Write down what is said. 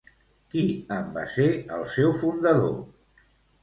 Qui en va ser el seu fundador?